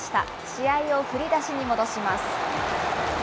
試合を振り出しに戻します。